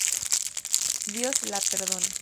Dios la perdone.